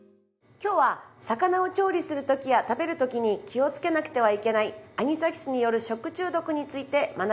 今日は魚を調理する時や食べる時に気をつけなくてはいけないアニサキスによる食中毒について学びます。